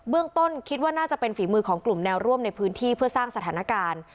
ต้นคิดว่าน่าจะเป็นฝีมือของกลุ่มแนวร่วมในพื้นที่เพื่อสร้างสถานการณ์